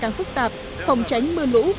càng phức tạp phòng tránh mưa lũ